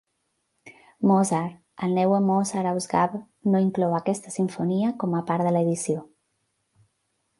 Mozart, el Neue Mozart-Ausgabe no inclou aquesta simfonia com a part de l'edició.